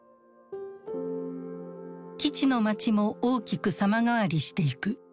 基地の街も大きく様変わりしていく。